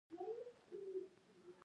شېرمحمد وویل: «هو.»